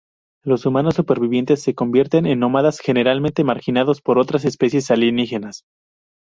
Los humanos supervivientes se convierten en nómadas, generalmente marginados por otras especies alienígenas.